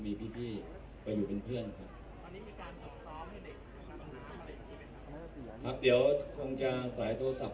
มีพี่พี่ก็อยู่เป็นเพื่อนครับครับครับเดี๋ยวคงจะสายโทรศัพท์